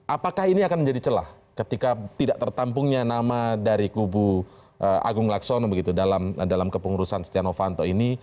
apakah ini akan menjadi celah ketika tidak tertampungnya nama dari kubu agung laksono begitu dalam kepengurusan setia novanto ini